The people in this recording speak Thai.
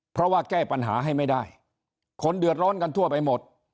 เพราะว่าแก้ปัญหาให้ไม่ได้คนเดือดร้อนกันทั่วไปหมด